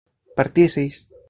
partieseis